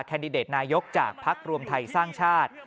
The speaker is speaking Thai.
แดดิเดตนายกจากภักดิ์รวมไทยสร้างชาติ